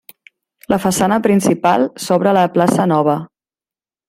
La façana principal s'obre a la plaça Nova.